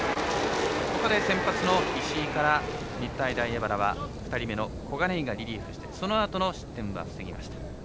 ここで先発の石井から日体大荏原は２人目の小金井がリリーフしてそのあとの失点は防ぎました。